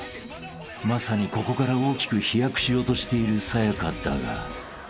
［まさにここから大きく飛躍しようとしているさや香だが］